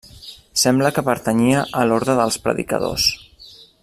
Sembla que pertanyia a l'orde dels predicadors.